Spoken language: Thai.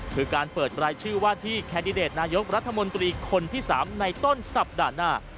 คือการเปิดรายชื่อว่าที่แคนดิเดตนายกรัฐมนตรีคนที่๓ในต้นสัปดาห์หน้า